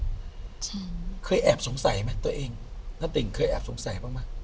ใช่เคยแอบสงสัยไหมตัวเองณติ่งเคยแอบสงสัยบ้างไหม